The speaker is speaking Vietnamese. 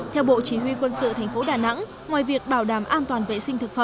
theo bộ chỉ huy quân sự tp đà nẵng